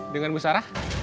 dengan bu sarah